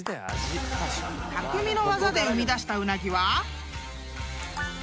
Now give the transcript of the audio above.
［匠の技で生み出したうなぎは］